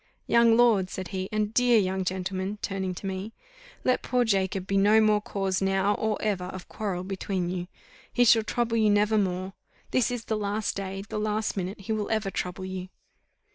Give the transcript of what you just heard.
"Young Lord ," said he, "and dear young gentleman," turning to me, "let poor Jacob be no more cause now, or ever, of quarrel between you. He shall trouble you never more. This is the last day, the last minute he will ever trouble you."